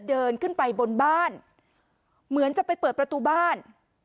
เดินขึ้นไปบนบ้านเหมือนจะไปเปิดประตูบ้าน